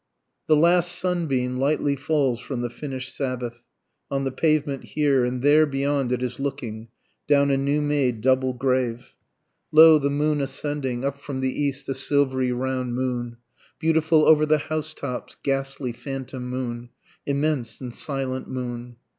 The last sunbeam Lightly falls from the finish'd Sabbath, On the pavement here, and there beyond it is looking, Down a new made double grave. Lo, the moon ascending, Up from the east the silvery round moon, Beautiful over the house tops, ghastly, phantom moon, Immense and silent moon.